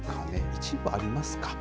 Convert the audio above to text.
一部ありますか。